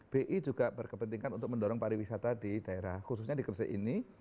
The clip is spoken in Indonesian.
bi juga berkepentingan untuk mendorong pariwisata di daerah khususnya di gresik ini